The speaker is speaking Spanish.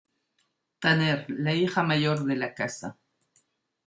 Tanner, la hija mayor de la casa.